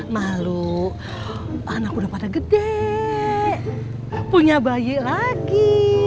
malu anak udah pada gede punya bayi lagi